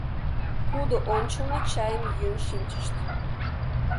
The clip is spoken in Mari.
Кудо ончылно чайым йӱын шинчышт.